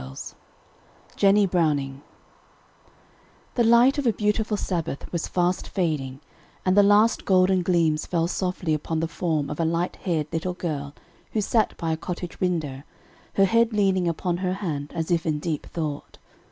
JENNIE BROWNING The light of a beautiful Sabbath was fast fading, and the last golden gleams fell softly upon the form of a light haired little girl who sat by a cottage window, her head leaning upon her hand as if in deep thought.